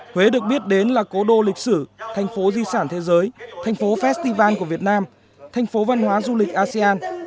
huế được biết đến là cố đô lịch sử thành phố di sản thế giới thành phố festival của việt nam thành phố văn hóa du lịch asean